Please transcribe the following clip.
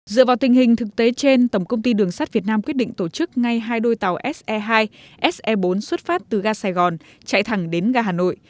dựa vào tình hình thực tế trên tổng công ty đường sắt việt nam quyết định tổ chức ngay hai đôi tàu se hai se bốn xuất phát từ ga sài gòn chạy thẳng đến ga hà nội